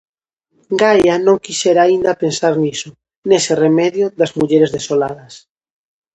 Gaia non quixera aínda pensar niso, nese remedio das mulleres desoladas.